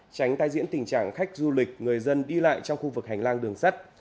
tránh tai diễn tình trạng khách du lịch người dân đi lại trong khu vực hành lang đường sắt